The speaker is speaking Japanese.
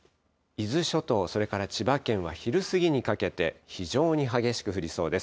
伊豆諸島、それから千葉県は昼過ぎにかけて、非常に激しく降りそうです。